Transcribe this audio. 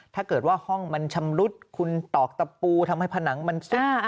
ถ้าเกิดว่าห้องมันชำรุดคุณตอกตะปูทำให้ผนังมันซุด